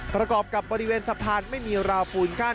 ประกอบกับบริเวณสะพานไม่มีราวปูนกั้น